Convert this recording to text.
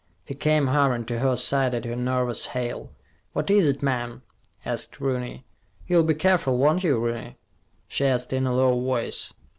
He came hurrying to her side at her nervous hail. "What is it, ma'am?" asked Rooney. "You'll be careful, won't you, Rooney?" she asked in a low voice.